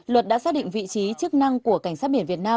luật đã xác định vị trí chức năng của cảnh sát biển việt nam